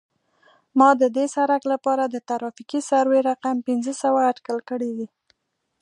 ما د دې سرک لپاره د ترافیکي سروې رقم پنځه سوه اټکل کړی دی